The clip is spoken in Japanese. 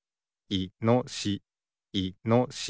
いのしし。